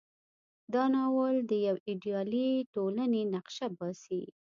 دا ناول د یوې ایډیالې ټولنې نقشه باسي.